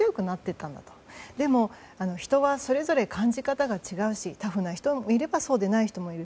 ただ、人はそれぞれ感じ方が違うしタフな人もいればそうでない人もいる。